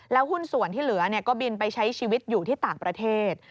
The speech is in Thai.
หุ้นส่วนที่เหลือก็บินไปใช้ชีวิตอยู่ที่ต่างประเทศ